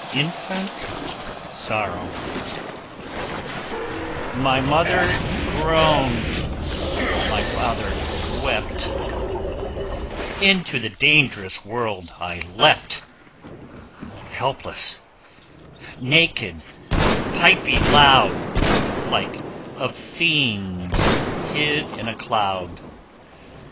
INFANT SORROW My mother groaned, my father wept: Into the dangerous world I leapt, Helpless, naked, piping loud, Like a fiend hid in a cloud.